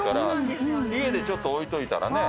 家でちょっと置いといたらね。